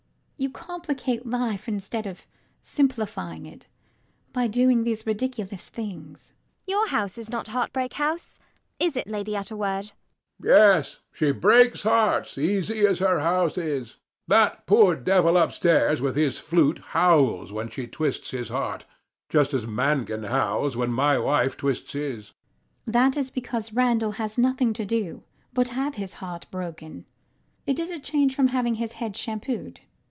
You complicate life instead of simplifying it by doing these ridiculous things. ELLIE. Your house is not Heartbreak House: is it, Lady Utterword? HECTOR. Yet she breaks hearts, easy as her house is. That poor devil upstairs with his flute howls when she twists his heart, just as Mangan howls when my wife twists his. LADY UTTERWORD. That is because Randall has nothing to do but have his heart broken. It is a change from having his head shampooed.